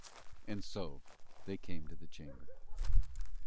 And so they came to the chamber.